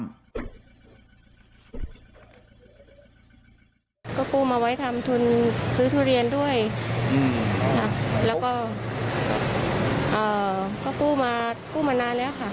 ก็กู้มาไว้ทำทุนซื้อทุเรียนด้วยแล้วก็กู้มากู้มานานแล้วค่ะ